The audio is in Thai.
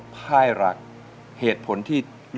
แผ่นที่สอง